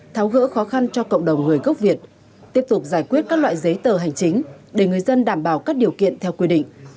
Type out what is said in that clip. tháo gỡ khó khăn cho cộng đồng người gốc việt tiếp tục giải quyết các loại giấy tờ hành chính để người dân đảm bảo các điều kiện theo quy định